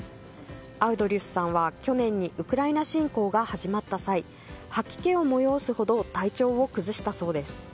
アウドリュスさんは去年にウクライナ侵攻が始まった際吐き気を催すほど体調を崩したそうです。